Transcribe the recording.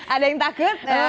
ada yang takut